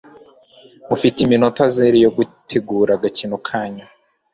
mufite iminota zero yo gutegura agakino kanyu